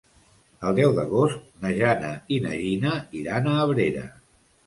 El deu d'agost na Jana i na Gina iran a Abrera.